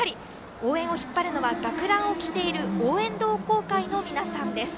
応援を引っ張るのは学ランを着ている応援同好会の皆さんです。